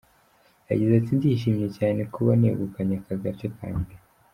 Yagize ati “Ndishimye cyane kuba negukanye aka gace ka mbere.